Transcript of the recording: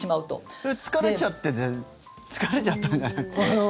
それ、疲れちゃってて疲れちゃったんじゃないですか。